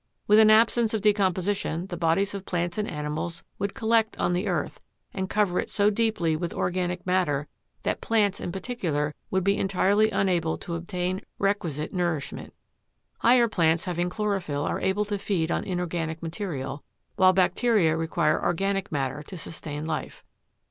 With an absence of decomposition the bodies of plants and animals would collect on the earth and cover it so deeply with organic matter that plants in particular would be entirely unable to obtain requisite nourishment. Higher plants having chlorophyll are able to feed on inorganic material, while bacteria require organic matter to sustain life.